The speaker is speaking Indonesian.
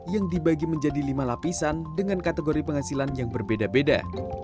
yang dibagi menjadi lima lapisan dengan kategori penghasilan yang berbeda beda